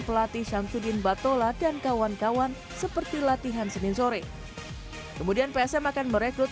pelatih syamsuddin batola dan kawan kawan seperti latihan senin sore kemudian psm akan merekrut